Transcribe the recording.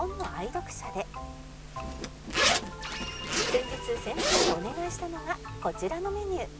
先日先生にお願いしたのがこちらのメニュー